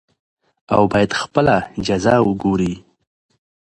او بايد خپله جزا وګوري .